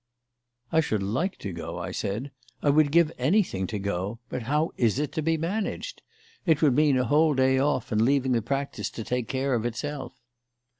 "I should like to go," I said. "I would give anything to go; but how is it to be managed? It would mean a whole day off and leaving the practice to take care of itself."